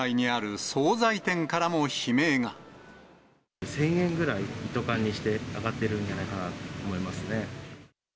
１０００円ぐらい、一斗缶にして上がってるんじゃないかなと思いますね。